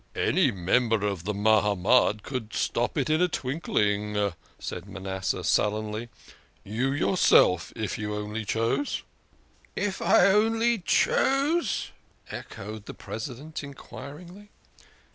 " Any member of the Mahamad could stop it in a twink 124 THE KING OF SCHNORRERS. ling," said Manasseh sullenly. " You yourself, if you only chose." " If I only chose?" echoed the President enquiringly.